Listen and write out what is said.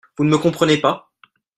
Vous ne me comprenez pas?